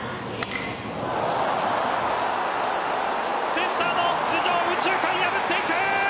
センターの頭上、右中間破っていく！